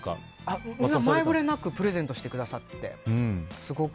前触れなくプレゼントしてくださって。